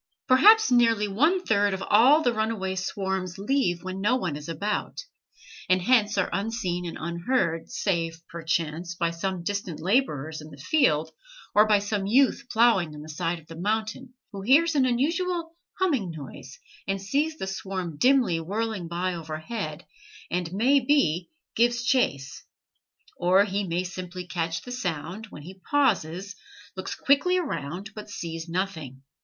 Perhaps nearly one third of all the runaway swarms leave when no one is about, and hence are unseen and unheard, save, perchance, by some distant laborers in the field, or by some youth ploughing on the side of the mountain, who hears an unusual humming noise, and sees the swarm dimly whirling by overhead, and, may be, gives chase; or he may simply catch the sound, when he pauses, looks quickly around, but sees nothing.